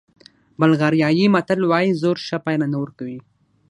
بلغاریایي متل وایي زور ښه پایله نه ورکوي.